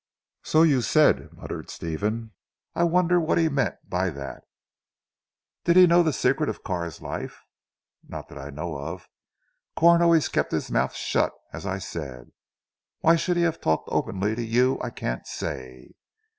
"So you said," muttered Stephen. "I wonder what he meant by that?" "Did he know the secret of Carr's life?" "Not that I know of. Corn always kept his mouth shut as I said. Why he should have talked openly to you I can't say?"